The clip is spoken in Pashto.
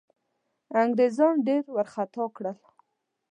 انګرېزان ډېر وارخطا کړل.